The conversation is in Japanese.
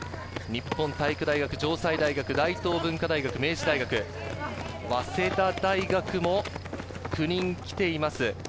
日本体育大学、城西大学、大東文化大学、明治大学、早稲田大学も９人来ています。